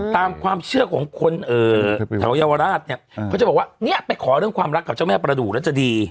ตามความเชื่อของคนแถวเยาวราชเนี่ยเขาจะบอกว่าเนี่ยไปขอเรื่องความรักกับเจ้าแม่ประดูกแล้วจะดี